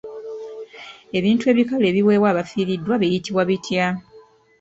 Ebintu ebikalu ebiweebwa abafiiriddwa biyitibwa bitya?